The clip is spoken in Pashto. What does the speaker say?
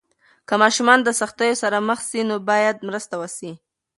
که ماشوم د سختیو سره مخ سي، نو باید مرسته وسي.